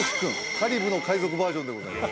カリブの海賊バージョンでございます